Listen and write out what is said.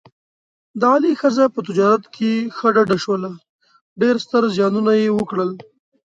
د علي ښځه په تجارت کې ښه ډډه شوله، ډېر ستر زیانونه یې وکړل.